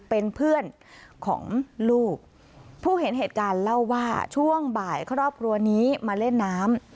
เป็นเพื่อนของลูกผู้เห็นเหตุการณ์เล่าว่าช่วงบ่ายครอบครัวนี้มาเล่นน้ำ